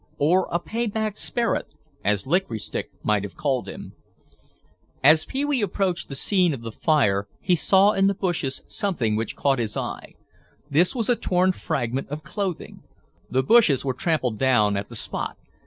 Or a "pay back sperrit" as Licorice Stick might have called him.... As Pee wee approached the scene of the fire he saw in the bushes something which caught his eye. This was a torn fragment of clothing. The bushes were trampled down at the spot.